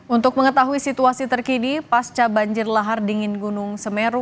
untuk mengetahui situasi terkini pasca banjir lahar dingin gunung semeru